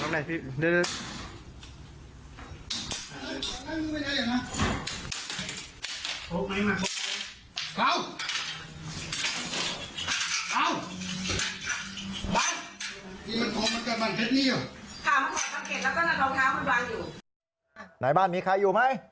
ไหนบ้านมีใครอยู่ไหม